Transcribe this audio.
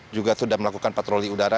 juga sudah melakukan patroli udara